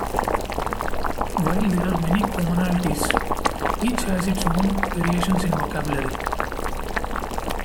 While there are many commonalities, each has its own variations in vocabulary.